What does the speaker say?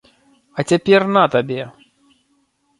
А цяпер на табе!